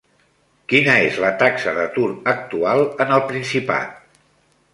Quina és la taxa d'atur actual en el Principat?